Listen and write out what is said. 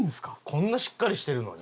こんなしっかりしてるのに？